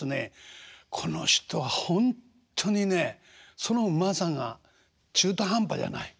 この人はほんとにねそのうまさが中途半端じゃない。